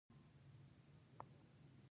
د همدې له امله انساني ټولنې پراخې شوې دي.